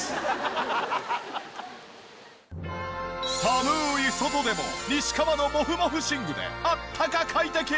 寒い外でも西川のモフモフ寝具であったか快適！